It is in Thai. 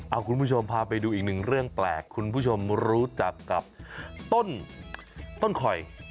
เอาคุณผู้ชมพาไปดูอีกหนึ่งเรื่องแปลกคุณผู้ชมรู้จักกับต้นคอย